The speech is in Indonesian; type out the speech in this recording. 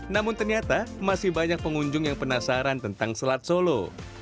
namun ternyata masih banyak pengunjung yang penasaran tentang selat solo